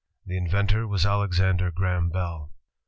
The in ventor was Alexander Graham Bell.